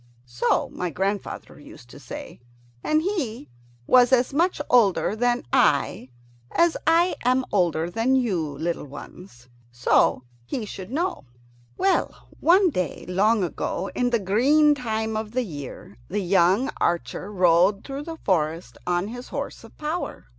So my grandfather used to say, and he was as much older than I as I am older than you, little ones, and so he should know. Well, one day long ago, in the green time of the year, the young archer rode through the forest on his horse of power.